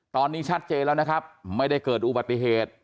ตอนนี้ชัดเจนแล้วนะครับไม่ได้เกิดอุบัติเหตุ